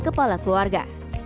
delapan kepala keluarga